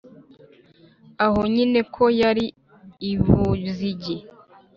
aho nyine ko yari i buzigi